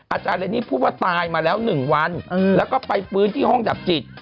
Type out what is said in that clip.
อาจารย์เรนนี่พูดว่าตายมาแล้ว๑วันแล้วก็ไปฟื้นที่ห้องดับจิต